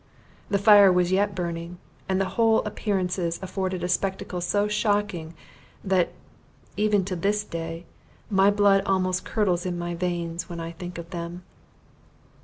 The fire was yet burning; and the whole appearances afforded a spectacle so shocking, that, even to this day, my blood almost curdles in my veins when I think of them!